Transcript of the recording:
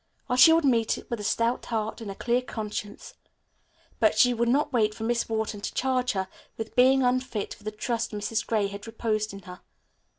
Well, she would meet it with a stout heart and a clear conscience. But she would not wait for Miss Wharton to charge her with being unfit for the trust Mrs. Gray had reposed in her.